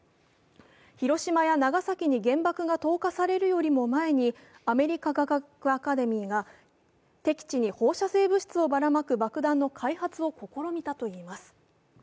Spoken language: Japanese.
広島や長崎に原爆が投下されるよりも前にアメリカ科学アカデミーが敵地に放射性物質をばらまく爆弾の開発を試みたといいます。